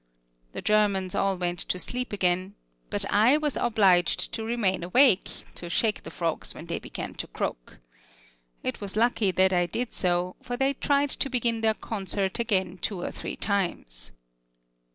The Germans all went to sleep again, but I was obliged to remain awake, to shake the frogs when they began to croak. It was lucky that I did so, for they tried to begin their concert again two or three times.